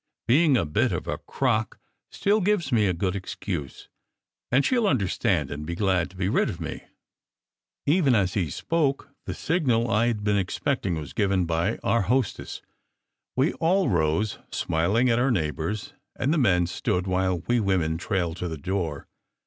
Being a bit of a crock still gives me a good excuse, and she ll understand and be glad to be rid of me." Even as he spoke, the signal I d been expecting was given by our hostess. We all rose, smiling at our neighbours, and the men stood while we women trailed to the door.